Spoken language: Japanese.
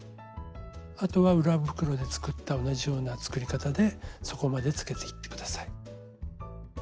あとは裏袋で作った同じような作り方で底までつけていって下さい。